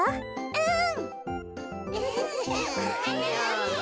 うん。